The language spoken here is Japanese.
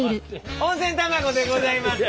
温泉卵でございます。